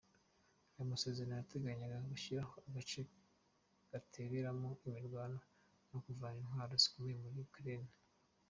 Ayo masezerano yateganyaga gushyiraho agace kataberamo imirwano no kuvana iintwaro zikomeye muri Ukraine.